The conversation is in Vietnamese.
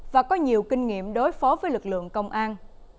và có nhiều kinh nghiệm đối phó với lực lượng công an